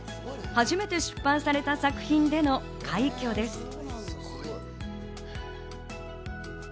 初めて出版された作品での快挙です。